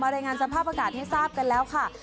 รายงานสภาพอากาศให้ทราบกันแล้วค่ะ